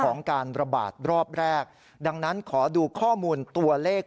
ของการระบาดรอบแรกดังนั้นขอดูข้อมูลตัวเลข